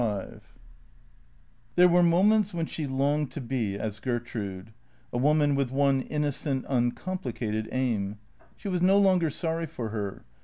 XLV THEEE were moments when she longed to be as Gertrude, a woman with one innocent, uncomplicated aim. She was no longer sorry for her.